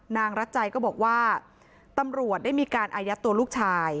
รัชัยก็บอกว่าตำรวจได้มีการอายัดตัวลูกชาย